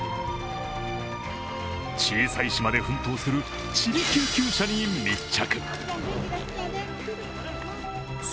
小さい島で奮闘するちび救急車に密着。